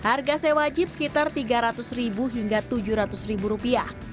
harga sewa jeep sekitar tiga ratus ribu hingga tujuh ratus ribu rupiah